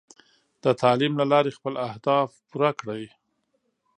د تعلیم له لارې خپل اهداف پوره کړئ.